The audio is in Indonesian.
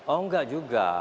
oh enggak juga